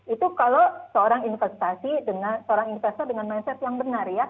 itu kalau seorang investasi dengan seorang investor dengan mindset yang benar ya